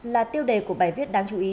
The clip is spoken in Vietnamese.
là tiêu đề của bài viết đáng chú ý